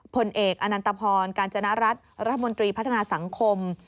ผลเอกอนันตพรกาญจนรัฐรัฐมนตรีพัฒนาสังคม